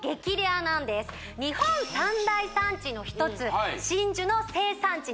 日本三大産地のひとつ真珠の生産地